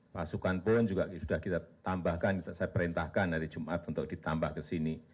pasukan pun juga sudah kita tambahkan saya perintahkan hari jumat untuk ditambah ke sini